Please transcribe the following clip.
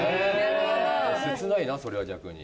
切ないなそれは逆に。